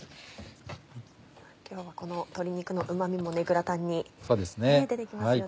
今日はこの鶏肉のうまみもグラタンに出てきますよね。